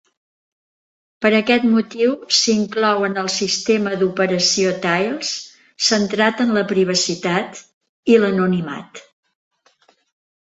Per aquest motiu s'inclou en el sistema d'operació Tails, centrat en la privacitat (i l'anonimat).